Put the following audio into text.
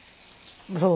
そう。